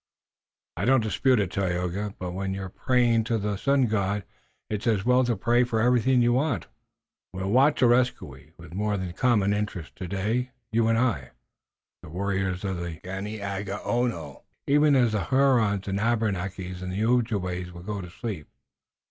"I don't dispute it, Tayoga, but when you're praying to the Sun God it's as well to pray for everything you want." "We'll watch Areskoui with more than common interest today, you and I, Dagaeoga, but the warriors of the Ganeagaono, even as the Hurons, the Abenakis and the Ojibways, will go to sleep.